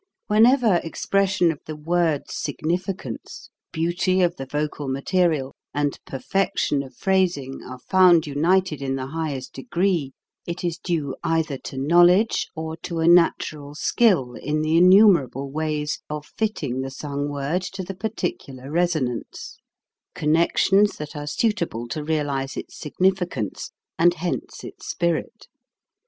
Whenever expression of the word's significance, beauty of the vocal material, and perfection of phrasing are found united in the highest degree, it is due either to knowl WHITE VOICES 165 edge or to a natural skill in the innumerable ways of fitting the sung word to the particular resonance connections that are suitable to realize its significance, and hence its spirit.